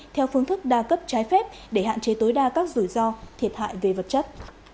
theo phương thức đa cấp trái phép để hạn chế tối đa các rủi ro thiệt hại về vật chất